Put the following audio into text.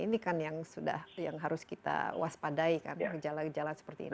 ini kan yang sudah yang harus kita waspadai kan gejala gejala seperti ini